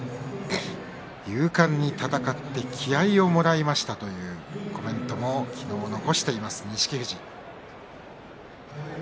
勇敢に戦って気合いをもらいましたというコメントを残しています錦富士。